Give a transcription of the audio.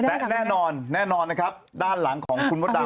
และแน่นอนแน่นอนนะครับด้านหลังของคุณมดดำ